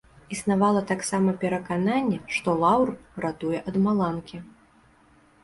Існавала таксама перакананне, што лаўр ратуе ад маланкі.